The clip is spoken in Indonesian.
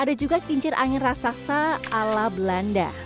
ada juga kincir angin raksasa ala belanda